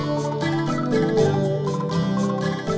waduh repot ya